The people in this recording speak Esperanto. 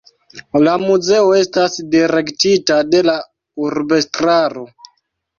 La muzeo estas direktita de la urbestraro.